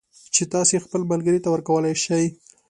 چې تاسو یې خپل ملگري ته ورکولای شئ